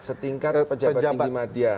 setingkat pejabat tinggi madya